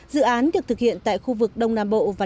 dự án được thực hiện tại khu vực đông nam bộ và đông bắc